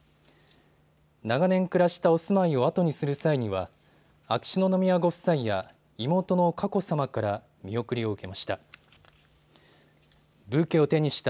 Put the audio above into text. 長年暮らしたお住まいを後にする際には秋篠宮ご夫妻や妹の佳子さまから見送りを受けました。